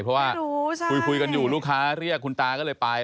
เพราะว่าคุยกันอยู่ลูกค้าเรียกคุณตาก็เลยไป